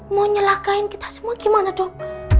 mau nyelakain kita semua gimana dok